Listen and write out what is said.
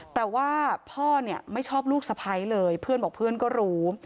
แต่ว่าพ่อเนี่ยไม่ชอบลูกสะพ้ายเลยเพื่อนบอกเพื่อนก็รู้